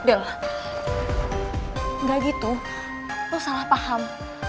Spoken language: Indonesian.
enggak gitu salah paham